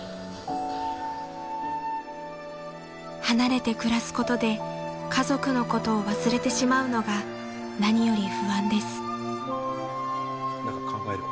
［離れて暮らすことで家族のことを忘れてしまうのが何より不安です］